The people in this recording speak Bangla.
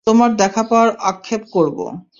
তোমার দেখা পাওয়ার অপেক্ষা করব।